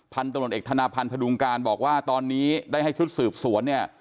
พันธุ์ตำรวจเอกธนาพันธ์พดุงการบอกว่าตอนนี้ได้ให้ชุดสืบสวนเนี่ย